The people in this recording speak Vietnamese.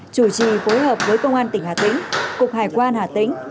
chủ trì phối hợp với công an tỉnh hà tĩnh cục hải quan hà tĩnh